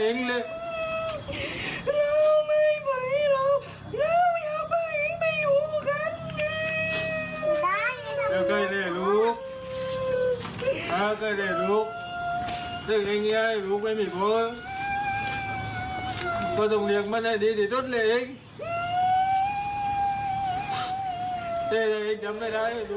นี่ค่ะเดี๋ยวไปดูคลิปนี้กันหน่อย